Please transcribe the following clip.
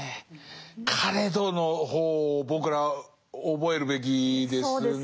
「かれど」の方を僕ら覚えるべきですね。